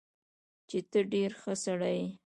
چې تۀ ډېر ښۀ سړے ئې